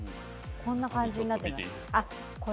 こんな感じになってます。